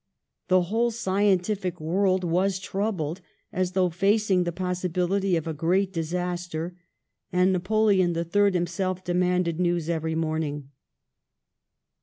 The whole scientific world was troubled, as though facing the possibility of a great dis aster, and Napoleon III himself demanded news every morning.